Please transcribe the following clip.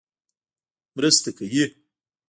مرسته کوي.